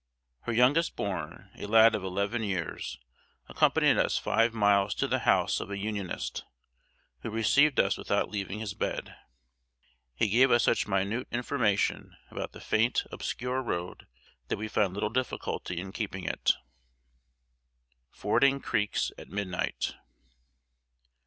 Her youngest born, a lad of eleven years, accompanied us five miles to the house of a Unionist, who received us without leaving his bed. He gave us such minute information about the faint, obscure road that we found little difficulty in keeping it. [Sidenote: FORDING CREEKS AT MIDNIGHT.